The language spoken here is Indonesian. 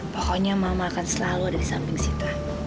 pokoknya mama akan selalu ada di samping sita